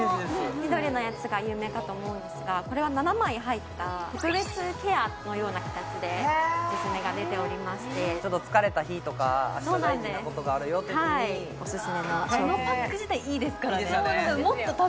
緑のやつが有名かと思うんですがこれは７枚入った特別ケアのような形でコスメが出ておりましてちょっと疲れた日とか明日大事なことがあるよって日にオススメな商品です